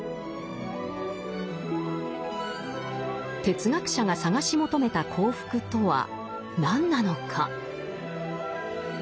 哲学者が探し求めた幸福とは何なのか。